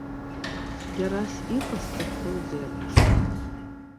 Цәгьарас иҟасҵахьоузеи абри сара?!